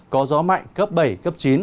có gió mạnh cấp bảy cấp chín